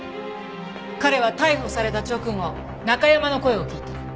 彼は逮捕された直後ナカヤマの声を聞いた。